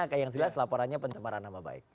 jelas jelas laporannya pencemaran nama baik